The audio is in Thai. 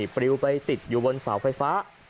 ปลิวไปติดอยู่บนเสาไฟฟ้า